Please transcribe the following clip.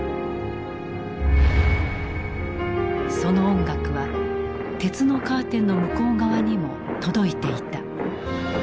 その音楽は鉄のカーテンの向こう側にも届いていた。